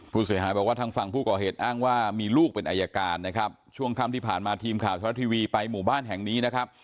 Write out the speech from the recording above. ผู้เสียหายบอกว่าทางฝั่งผู้ก่อเหตุอ้างว่ามีลูกเป็นอายการนะครับช่วงค่ำที่ผ่านมาทีมข่าวชาวรัฐทีวีไปหมู่บ้านแห่งนี้นะครับ